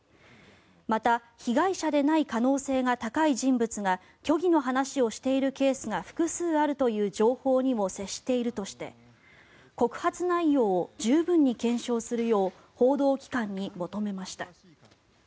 また、被害者でない可能性が高い人物が虚偽の話をしているケースが複数あるという情報にも接しているとして告発内容を十分に検証するよう報道機関に求めました。